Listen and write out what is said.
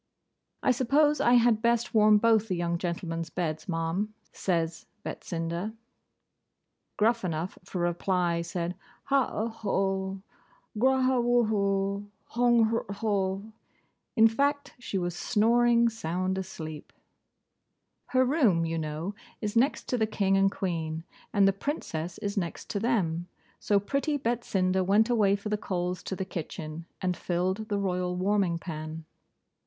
'I suppose I had best warm both the young gentlemen's beds, Ma'am,' says Betsinda. Gruffanuff, for reply, said, 'Hau au ho! Grauhawhoo! Hong hrho!' In fact, she was snoring sound asleep. Her room, you know, is next to the King and Queen, and the Princess is next to them. So pretty Betsinda went away for the coals to the kitchen, and filled the royal warming pan.